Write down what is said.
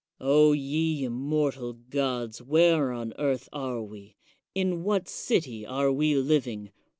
O ye immortal gods, where on earth are we? in what city are we living?